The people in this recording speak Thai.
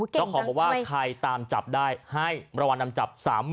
เจ้าของบอกว่าใครตามจับได้ให้รางวัลนำจับ๓๐๐๐